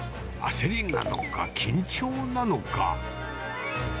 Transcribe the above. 焦りなのか、緊張なのか。